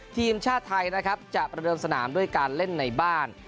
ทีมชาติไทยนะครับจะประเดิมสนามด้วยการเล่นในบ้าน